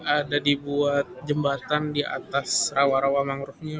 ada dibuat jembatan di atas rawa rawa mangrove nya